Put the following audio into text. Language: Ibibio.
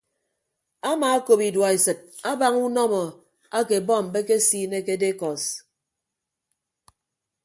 Amaakop iduọesịt abaña unọmọ ake bọmb ekesiine ke dekọs.